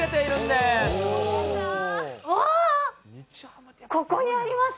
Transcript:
すごい。